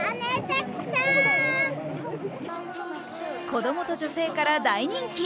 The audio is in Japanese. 子供と女性から大人気。